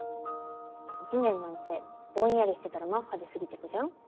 １年なんてぼんやりしてたらマッハで過ぎてくじゃん？